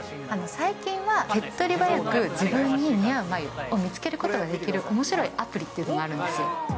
最近は、手っ取り早く、自分に似合う眉を見つけることができるおもしろいアプリというのがあるんです。